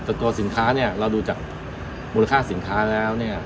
แต่ตัวสินค้าเนี่ยเราดูจากมูลค่าสินค้าแล้วเนี่ย